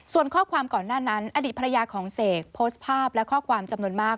ส่วนข้อความก่อนหน้านั้นอดีตภรรยาของเสกโพสต์ภาพและข้อความจำนวนมาก